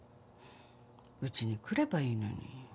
うちに来ればいいのに。